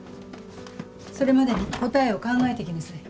それまでに答えを考えてきなさい。